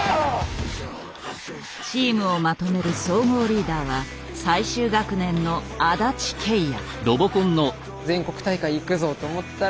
チームをまとめる総合リーダーは最終学年の安達慶哉。